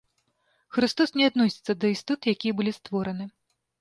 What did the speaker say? Хрыстос не адносіцца да істот, якія былі створаны.